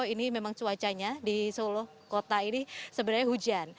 ini memang cuacanya di solo kota ini sebenarnya hujan